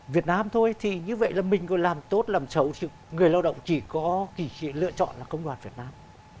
việt nam thôi thì như vậy là mình có làm tốt làm xấu người lao động chỉ có lựa chọn là công đoàn việt nam